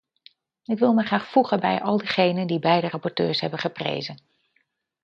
Ik wil mij graag voegen bij al diegenen die beide rapporteurs hebben geprezen.